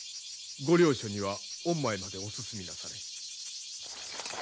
ご両所には御前までお進みなされ。